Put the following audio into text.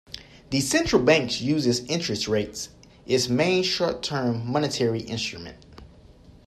The central bank uses interest rates, its main short-term monetary instrument.